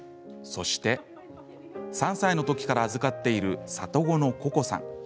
そして３歳のときから預かっている里子の、ここさん。